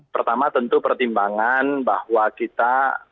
pertama tentu pertimbangan bahwa kita